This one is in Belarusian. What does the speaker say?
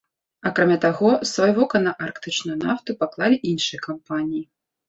Акрамя таго, сваё вока на арктычную нафту паклалі іншыя кампаніі.